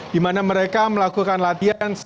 di mana mereka melakukan latihan